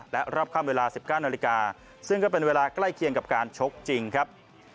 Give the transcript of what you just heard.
และรอบค่ำเวลา๑๙นาฬิกาซึ่งก็เป็นเวลาใกล้เคียงกับการชกจริงครับ